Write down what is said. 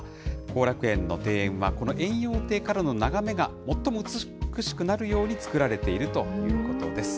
後楽園の庭園は、この延養亭からの眺めが最も美しくなるように作られているということです。